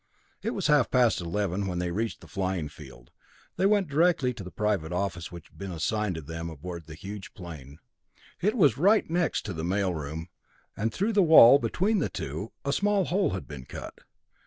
It was half past eleven when they reached the flying field. They went directly to the private office which had been assigned to them aboard the huge plane. It was right next to the mail room, and through the wall between the two a small hole had been cut.